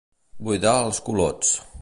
Buidar els culots.